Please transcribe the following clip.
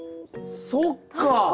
そっか！